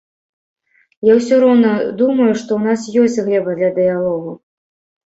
Я усё роўна думаю, што ў нас ёсць глеба для дыялогу.